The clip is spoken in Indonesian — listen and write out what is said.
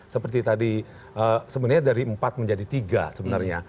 jadi tadi sebenarnya dari empat menjadi tiga sebenarnya